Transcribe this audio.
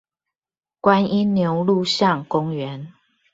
觀音牛路巷公園